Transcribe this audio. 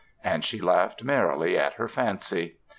And she laughed merrily at her fancy.